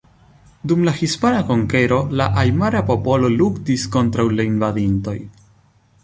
Dum la hispana konkero, la ajmara popolo luktis kontraŭ la invadintoj.